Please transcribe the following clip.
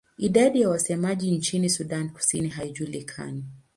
Idadi ya wasemaji nchini Sudan Kusini haijulikani.